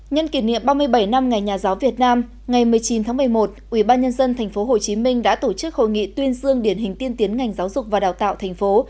nhân kỷ niệm ba mươi bảy năm ngày nhà giáo việt nam ngày một mươi chín tháng một mươi một ubnd tp hcm đã tổ chức hội nghị tuyên dương điển hình tiên tiến ngành giáo dục và đào tạo thành phố